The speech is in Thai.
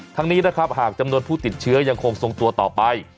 ทั้งนี้นะครับหากจำนวนผู้ติดเชื้อยังคงทรงตัวต่อไป